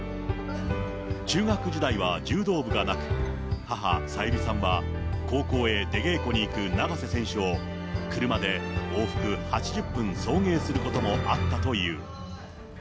中学時代は柔道部がなく、母、小由利さんは、高校へ出稽古に行く永瀬選手を車で往復８０分送迎することもあったという。